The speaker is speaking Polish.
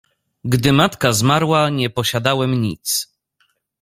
— Gdy matka zmarła, nie posiadałem nic.